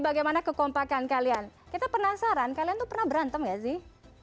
bagaimana kekompakan kalian kita penasaran kalian tuh pernah berantem gak sih